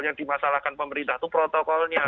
yang dimasalahkan pemerintah itu protokolnya